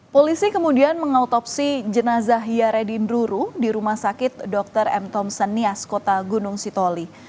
polisi kemudian mengautopsi jenazah yaredin ruru di rumah sakit dr m tom senias kota gunung sitoli